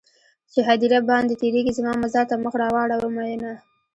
چې هديره باندې تيرېږې زما مزار ته مخ راواړوه مينه